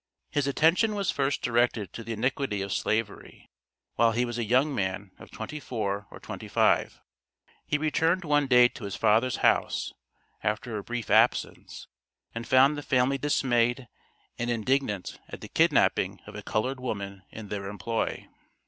His attention was first directed to the iniquity of Slavery, while he was a young man of twenty four or twenty five. He returned one day to his father's house, after a brief absence, and found the family dismayed and indignant at the kidnapping of a colored woman in their employ.